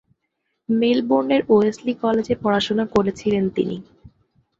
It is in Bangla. মেলবোর্নের ওয়েসলি কলেজে পড়াশোনা করেছিলেন তিনি।